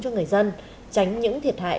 cho người dân tránh những thiệt hại